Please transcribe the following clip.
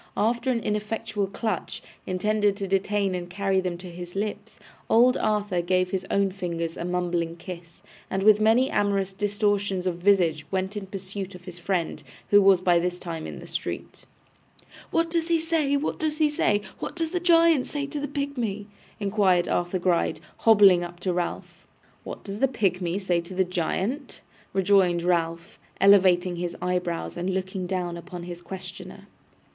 After an ineffectual clutch, intended to detain and carry them to his lips, old Arthur gave his own fingers a mumbling kiss, and with many amorous distortions of visage went in pursuit of his friend, who was by this time in the street. 'What does he say, what does he say? What does the giant say to the pigmy?' inquired Arthur Gride, hobbling up to Ralph. 'What does the pigmy say to the giant?' rejoined Ralph, elevating his eyebrows and looking down upon his questioner.